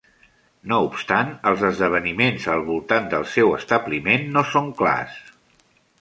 No obstant, els esdeveniments al voltant del seu establiment no són clars.